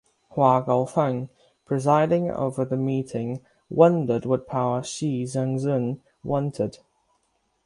Hua Guofeng presiding over the meeting wondered what power Xi Zhongxun wanted.